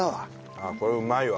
ああこれうまいわ。